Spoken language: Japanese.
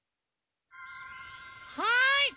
はい！